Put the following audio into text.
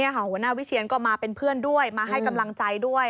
หัวหน้าวิเชียนก็มาเป็นเพื่อนด้วยมาให้กำลังใจด้วย